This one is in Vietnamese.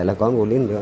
là con của lính